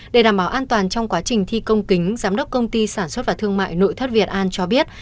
để đảm bảo an toàn trong quá trình thi công kính giám đốc công ty sản xuất và thương mại nội thất việt an cho biết